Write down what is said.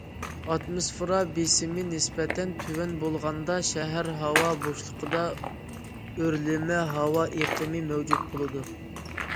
ئاتموسفېرا بېسىمى نىسبەتەن تۆۋەن بولغاندا شەھەر ھاۋا بوشلۇقىدا ئۆرلىمە ھاۋا ئېقىمى مەۋجۇت بولىدۇ.